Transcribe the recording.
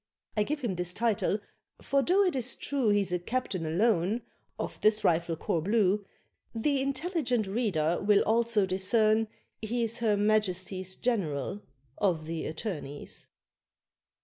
(I give him this title, for though it is true He's a captain alone of this rifle corps blue The intelligent reader will also discern he's Her Majesty's General of the Attorneys.)